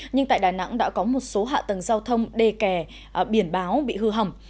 nhưng tại đà nẵng đã có một số hạ tầng giao thông đề kè biển báo bị hư hỏng